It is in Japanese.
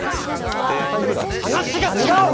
話が違う！